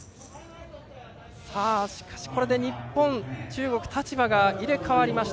しかし、これで日本と中国立場が入れ替わりました。